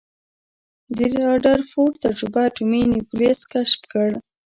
د ردرفورډ تجربه اټومي نیوکلیس کشف کړ.